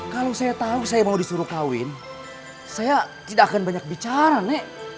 kalau saya tahu saya mau disuruh kawin saya tidak akan banyak bicara nek